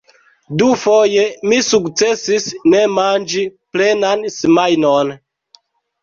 Dufoje mi sukcesis ne manĝi plenan semajnon.